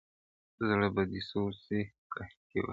زړه به دي سوړ سي قحطی وهلی -